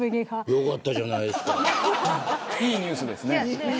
いいニュースですね。